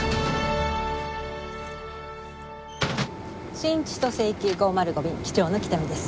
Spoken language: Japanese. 新千歳行き５０５便機長の喜多見です。